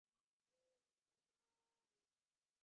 বিপ্রদাসকে বাড়ির সকলেই ভালোবাসে।